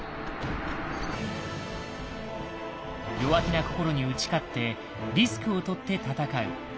弱気な心に打ち勝ってリスクをとって戦う。